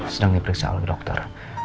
sedang diperiksa oleh dokter